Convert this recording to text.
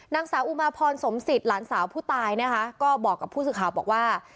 นางสาวอุมาพรสมศิษย์หลานสาวผู้ตายนะคะก็บอกกับผู้สื่อข่าวบอกว่า